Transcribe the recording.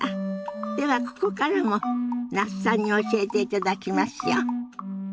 ではここからも那須さんに教えていただきますよ。